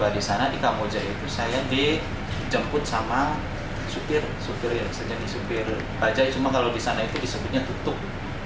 di sana di kamboja itu saya dijemput sama supir supir yang bisa jadi supir bajai cuma kalau di sana itu disebutnya tutup